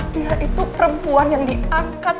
dia itu perempuan yang diangkat